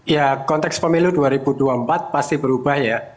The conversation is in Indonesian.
ya konteks pemilu dua ribu dua puluh empat pasti berubah ya